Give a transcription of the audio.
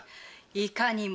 いかにも。